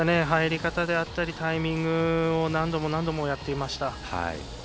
入り方であったりタイミングを何度も何度もやっていました。